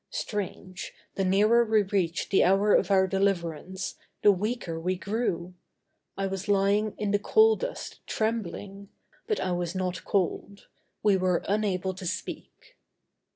Strange, the nearer we reached the hour of our deliverance, the weaker we grew. I was lying in the coal dust trembling, but I was not cold. We were unable to speak.